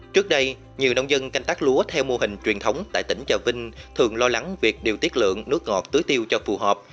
trước đây nhiều nông dân canh tác lúa theo mô hình truyền thống tại tỉnh trà vinh thường lo lắng việc điều tiết lượng nước ngọt tưới tiêu cho phù hợp